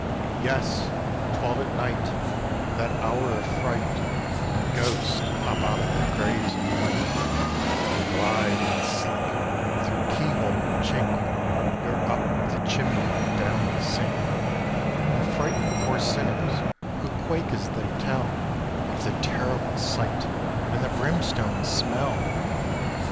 Yes, twelve at night That hour of fright When ghosts pop out of their graves in white, And glide and slink Through keyhole or chink, Or up the chimney or down the sink; And frighten poor sinners, who quake as they tell Of the terrible sight and the brimstone smell!